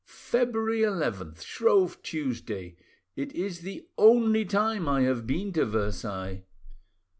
"February 11th, Shrove Tuesday. It is the only time I have been to Versailles.